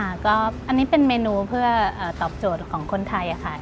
อันนี้เป็นเมนูเพื่อตอบโจทย์ของคนไทยค่ะ